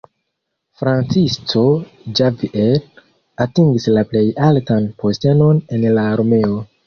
Francisco Javier atingis la plej altan postenon en la armeo.